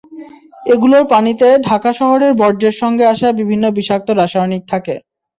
এগুলোর পানিতে ঢাকা শহরের বর্জ্যের সঙ্গে আসা বিভিন্ন বিষাক্ত রাসায়নিক থাকে।